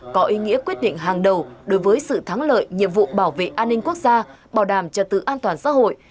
có ý nghĩa quyết định hàng đầu đối với sự thắng lợi nhiệm vụ bảo vệ an ninh quốc gia bảo đảm trật tự an toàn xã hội